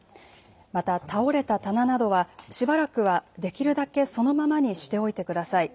また倒れた棚などはしばらくはできるだけそのままにしておいてください。